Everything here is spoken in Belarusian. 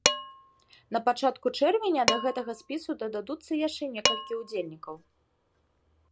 На пачатку чэрвеня да гэтага спісу дададуцца яшчэ некалькі ўдзельнікаў.